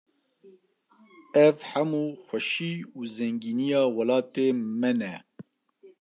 Ev hemû xweşî û zengîniya welatê me ne.